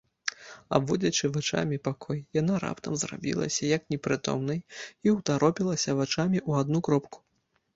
Абводзячы вачамі пакой, яна раптам зрабілася як непрытомнай і ўтаропілася вачамі ў адну кропку.